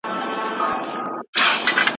که مشر هوښيار وي، هېواد پرمختګ کوي.